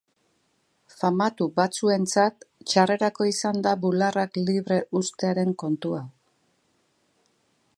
Famatu batzuentzat txarrerako izan da bularrak libre uztearen kontu hau.